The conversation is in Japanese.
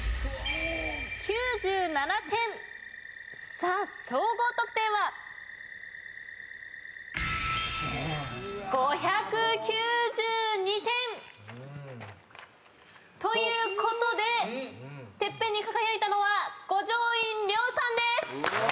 さあ総合得点は？ということでＴＥＰＰＥＮに輝いたのは五条院凌さんです！